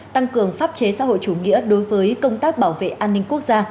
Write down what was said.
tăng cường pháp chế xã hội chủ nghĩa đối với công tác bảo vệ an ninh quốc gia